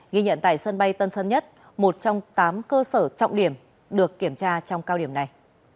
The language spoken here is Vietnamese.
ghi nhận tại sân bay tân sơn nhất một trong tám cơ sở trọng điểm được kiểm tra trong cao điểm này